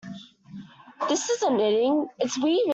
This isn't knitting, its weaving.